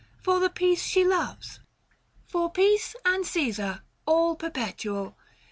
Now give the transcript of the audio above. for the peace she loves — For peace and Caesar, all perpetual